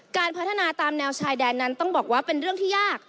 การพัฒนาตามแนวชายแดนนั้นต้องบอกว่าเป็นเรื่องที่ยาก